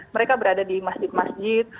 mereka berada di masjid masjid